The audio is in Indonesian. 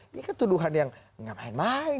ini kan tuduhan yang gak main main